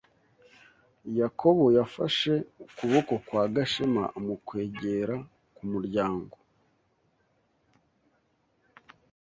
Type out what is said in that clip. Yakobo yafashe ukuboko kwa Gashema amukwegera ku muryango.